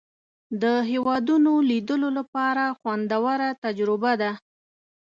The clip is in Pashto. د هېوادونو لیدلو لپاره خوندوره تجربه ده.